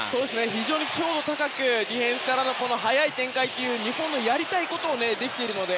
非常に強度高くディフェンスからの早い展開で日本のやりたいことができているので。